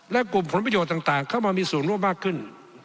และกลุ่มผลประโยชน์ต่างเข้ามามีส่วนร่วมมากขึ้น